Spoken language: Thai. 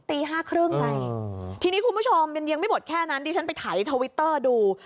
ตีห้าครึ่งไงทีนี้คุณผู้ชมมันยังไม่หมดแค่นั้นดิฉันไปถ่ายทวิตเตอร์ดู